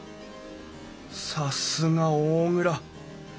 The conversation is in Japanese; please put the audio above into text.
さすが大蔵。